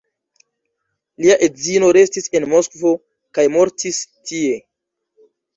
Lia edzino restis en Moskvo kaj mortis tie.